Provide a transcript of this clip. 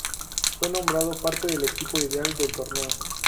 Fue nombrado parte del equipo ideal del torneo.